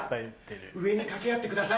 上に掛け合ってください。